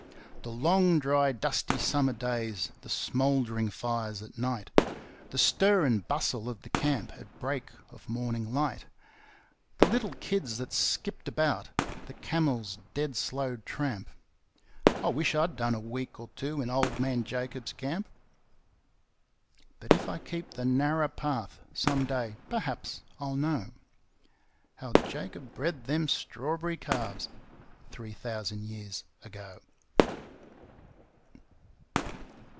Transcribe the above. The long, dry, dusty summer days, the smouldering fires at night; The stir and bustle of the camp at break of morning light; The little kids that skipped about, the camels' dead slow tramp I wish I'd done a week or two in Old Man Jacob's camp! _But if I keep the narrer path, some day, perhaps, I'll know How Jacob bred them strawberry calves three thousand years ago.